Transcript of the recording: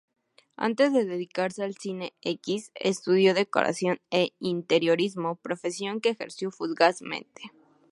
Antes de dedicarse al cine X estudió decoración e interiorismo, profesión que ejerció fugazmente.